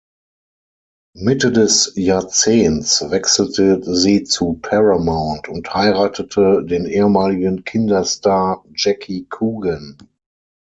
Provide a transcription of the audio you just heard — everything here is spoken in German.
Mitte des Jahrzehnts wechselte sie zu Paramount und heiratete den ehemaligen Kinderstar Jackie Coogan.